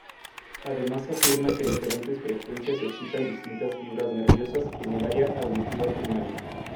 Además afirma que diferentes frecuencias excitan distintas fibras nerviosas en el área auditiva primaria.